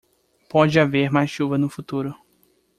Pode haver mais chuva no futuro.